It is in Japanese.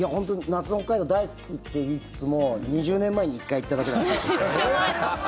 夏の北海道大好きって言いつつも２０年前に１回行っただけなんですけど。